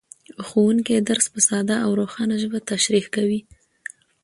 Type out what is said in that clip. ښوونکی درس په ساده او روښانه ژبه تشریح کوي